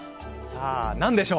何でしょう？